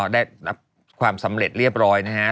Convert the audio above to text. ได้รับความสำเร็จเรียบร้อยนะฮะ